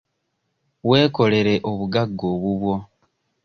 Weekolere obugagga obubwo.